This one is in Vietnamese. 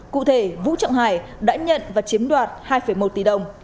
cụ thể vũ trọng hải đã nhận và chiếm đoạt hai một tỷ đồng